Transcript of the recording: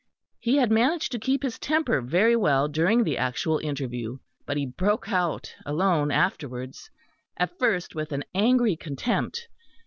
He had managed to keep his temper very well during the actual interview; but he broke out alone afterwards, at first with an angry contempt.